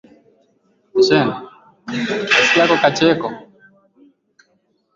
la koloni la Virginia Lakini baada ya ushindi Waingereza walikataa kumpa cheo katika jeshi